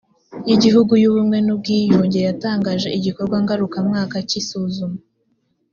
y igihugu y ubumwe n ubwiyunge yatangije igikorwa ngarukamwaka cy isuzuma